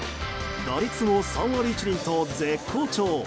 打率も３割１厘と絶好調。